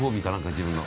自分の。